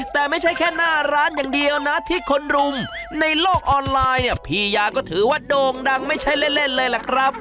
แต่ไม่ใช่แค่หน้าร้านอย่างเดียวนะที่คนรุมในโลกออนไลน์เนี่ยพี่ยาก็ถือว่าโด่งดังไม่ใช่เล่นเลยล่ะครับ